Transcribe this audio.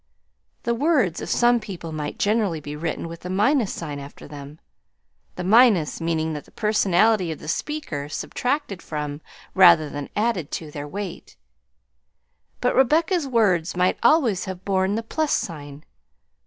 The words of some people might generally be written with a minus sign after them, the minus meaning that the personality of the speaker subtracted from, rather than added to, their weight; but Rebecca's words might always have borne the plus sign.